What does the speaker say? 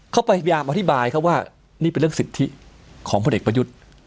เขาพยายามอธิบายเขาว่านี่เป็นเรื่องสิทธิของพลเอกประยุทธ์